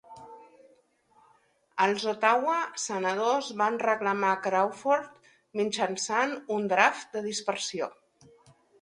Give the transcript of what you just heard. Els Ottawa Senators van reclamar Crawford mitjançant un draft de dispersió.